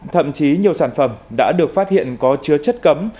thậm chí nhiều sản phẩm đã được phát hiện có chứa chất cấm